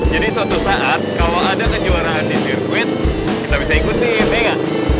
jadi suatu saat kalo ada kejuaraan di sirkuit kita bisa ikutin eh ga